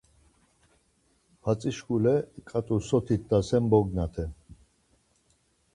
Hatzi şkule ǩat̆u soti t̆asen bognaten.